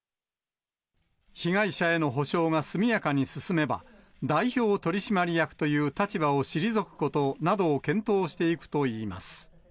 被害者への補償が速やかに進めば、代表取締役という立場を退くことなどを検討していくといいます。